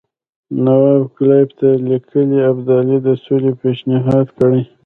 نواب کلایف ته لیکلي ابدالي د سولې پېشنهاد کړی.